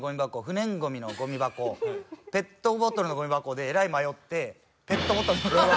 不燃ゴミのゴミ箱ペットボトルのゴミ箱でえらい迷ってペットボトルの方に。